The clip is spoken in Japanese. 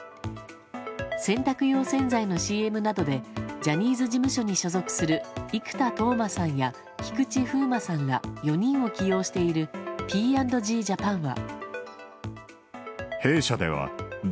洗濯用洗剤のＣＭなどでジャニーズ事務所に所属する生田斗真さんや菊池風磨さんら４人を起用しているＰ＆Ｇジャパンは。